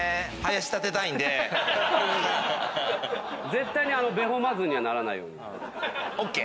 絶対にベホマズンにはならないようにね。ＯＫ。